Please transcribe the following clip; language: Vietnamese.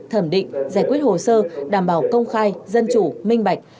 thẩm định giải quyết hồ sơ đảm bảo công khai dân chủ minh bạch